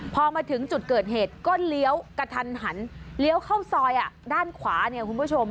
พอมาถึงจุดเกิดเหตุก็เลี้ยวกระทันหันเลี้ยวเข้าซอยด้านขวาเนี่ยคุณผู้ชม